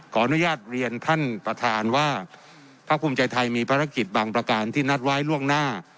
ขออนุญาตเรียนท่านประธานว่าภาคภูมิใจไทยมีภารกิจบางประการที่นัดไว้ล่วงหน้า